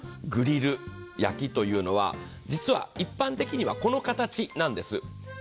ただ、アラジンのグリル焼きというのは、実は一般的にはこの形なんです。